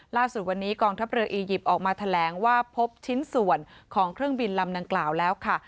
ล่าสุดวันนี้กองทัพเรืออียิปต์ออกมาแถลงว่าพบชิ้นส่วนของเครื่องบินลำดังกล่าวแล้วค่ะ